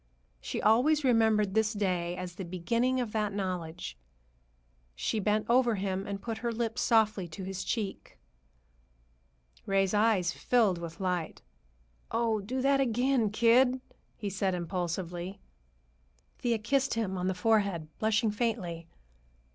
She always remembered this day as the beginning of that knowledge. She bent over him and put her lips softly to his cheek. Ray's eyes filled with light. "Oh, do that again, kid!" he said impulsively. Thea kissed him on the forehead, blushing faintly.